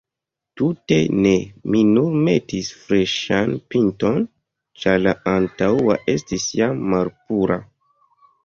Tute ne, mi nur metis freŝan pinton, ĉar la antaŭa estis jam malpura.